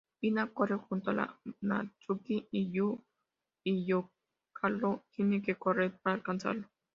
Hina corre junto con Natsuki y Yu y Kotaro tiene que correr para alcanzarlo.